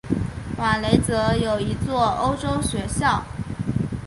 瓦雷泽有一座欧洲学校。